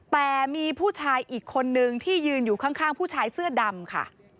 แต่มีผู้ชายอีกคนนึงที่ยืนอยู่ข้างผู้ชายเสื้อดำค่ะ